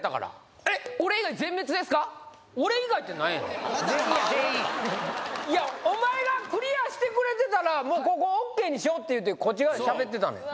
あっ俺もかいやお前がクリアしてくれてたらもうここオーケーにしよって言ってこっち側でしゃべってたのよ